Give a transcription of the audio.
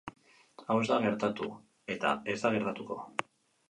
Hau ez da gertatu, eta ez da gertatuko.